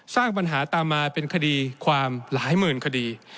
สร้างปัญหาตามมาเป็นคดีความหลายหมื่นคดี